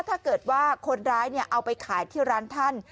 ถ้าเกิดว่าคนร้ายเอาไปขายที่ร้านท่าน